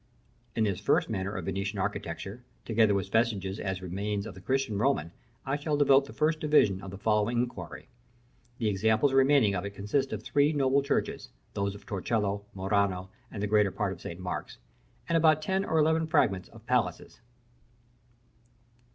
To this first manner of Venetian architecture, together with vestiges as remain of the Christian Roman, I shall devote the first division of the following inquiry. The examples remaining of it consist of three noble churches (those of Torcello, Murano, and the greater part of St. Mark's), and about ten or twelve fragments of palaces.